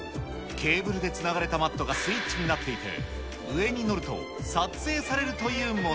ケーブルでつながれたマットがスイッチになっていて、上に乗ると、撮影されるというもの。